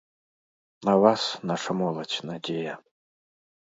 На вас, наша моладзь, надзея!